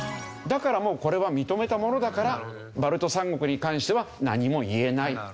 だからもうこれは認めたものだからバルト三国に関しては何も言えない。